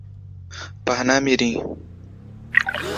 Parnamirim